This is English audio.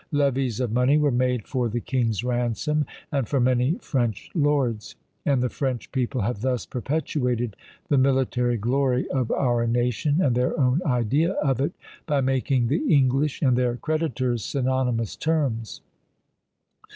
Levies of money were made for the king's ransom, and for many French lords; and the French people have thus perpetuated the military glory of our nation, and their own idea of it, by making the English and their creditors synonymous terms.